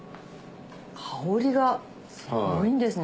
香りがすごいんですね。